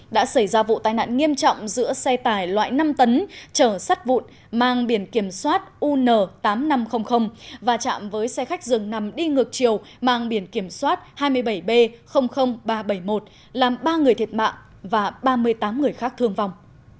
đã xảy ra vụ tai nạn nghiêm trọng giữa xe tải loại năm tấn chở sắt vụn mang biển kiểm soát un tám nghìn năm trăm linh và chạm với xe khách dường nằm đi ngược chiều mang biển kiểm soát hai mươi bảy b ba trăm bảy mươi một làm ba người thiệt mạng và ba mươi tám người khác thương vong